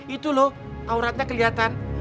itu loh auratnya kelihatan